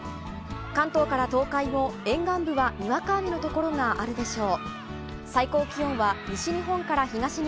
関東から東海も沿岸部はにわか雨のところがあるでしょう。